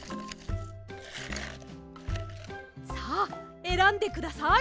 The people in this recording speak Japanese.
さあえらんでください！